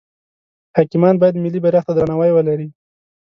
حاکمان باید ملی بیرغ ته درناوی ولری.